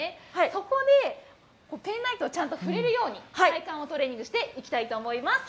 そこで、ペンライトをちゃんと振れるように、体幹をトレーニングしていきたいと思います。